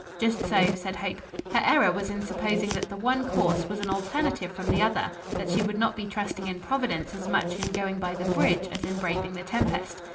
"Just so," said Hope. "Her error was in supposing that the one course was an alternative from the other, that she would not be trusting in Providence as much in going by the bridge as in braving the tempest.